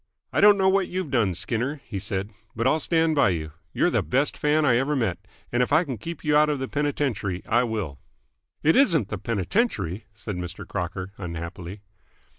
"I don't know what you've done, Skinner," he said, "but I'll stand by you. You're the best fan I ever met, and if I can keep you out of the penitentiary, I will." "It isn't the penitentiary!" said Mr. Crocker unhappily.